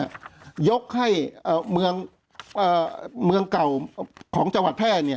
ยกให้เมืองเก่าของจังหวัดแพร่